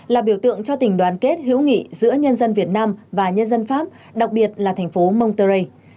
là biểu tượng cho tình đoàn kết hữu nghị giữa nhân dân việt nam và nhân dân pháp đặc biệt là thành phố montrey